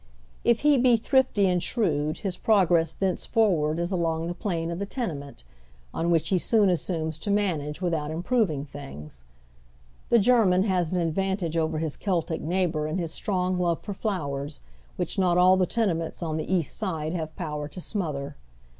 If he be thrifty and shrewd his progress thenceforward ifcalong the plane of the tenement, on which he soon assumes to manage without improving things. The German has an advan tage over Lis Celtic neighbor in his strong love for flow oy Google THE COMMON HERD. 165 ers, which not all the tenements on the East Side have power to sniothei'.